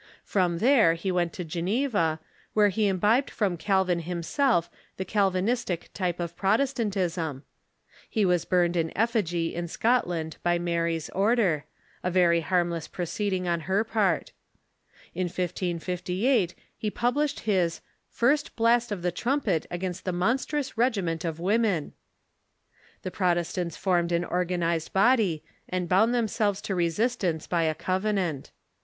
From there he went to Geneva, where he imbibed from Calvin himself the Calvinistic type of Protestantism, He was burned in effigy in Scotland by Mary's order — a very harmless proceeding on her part. In 1558 he published his "First Blast of the Trumpet against the Monstrous Regiment of Women." The Protes tants formed an organized body, and bound themselves to resistance by a covenant.